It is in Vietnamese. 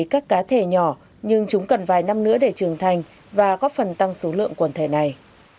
các cá thể nhỏ nhưng chúng cần vài năm nữa để trưởng thành và góp phần tăng số lượng quần thể này